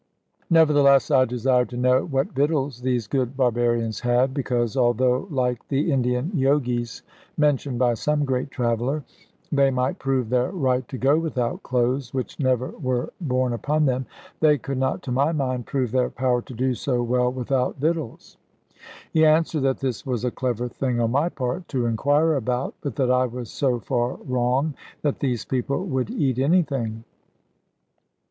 Nevertheless I desired to know what victuals these good barbarians had; because, although like the Indian Jogis (mentioned by some great traveller) they might prove their right to go without clothes, which never were born upon them, they could not to my mind prove their power to do so well without victuals. He answered that this was a clever thing on my part to inquire about; but that I was so far wrong that these people would eat anything.